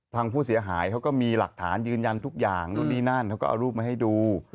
ทางผู้เสียหายเขาก็มีหลักฐานยืนยันทุกอย่างนู่นนี่นั่นเขาก็เอารูปมาให้ดู